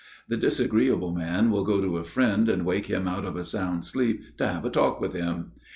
The disagreeable man will go to a friend and wake him out of a sound sleep to have a talk with him.